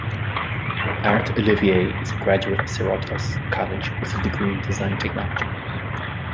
Art Olivier is a graduate of Cerritos College with a degree in Design Technology.